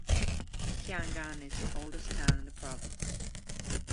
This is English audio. Kiangan is the oldest town in the province.